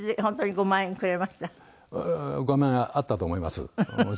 ５万円あったと思います